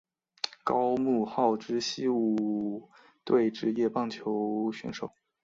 高木浩之西武队职业棒球选手。